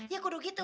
ya kudu gitu